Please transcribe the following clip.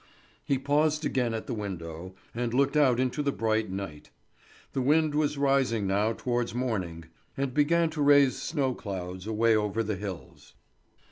He paused again at the window, and looked out into the bright night. The wind was rising now towards morning, and began to raise snow clouds away over the hills.